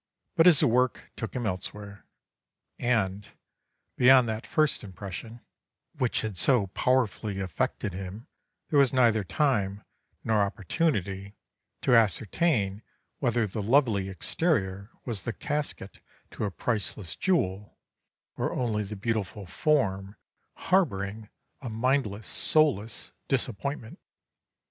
But his work took him elsewhere, and, beyond that first impression, which had so powerfully affected him, there was neither time nor opportunity to ascertain whether the lovely exterior was the casket to a priceless jewel, or only the beautiful form harbouring a mindless, soulless, disappointment.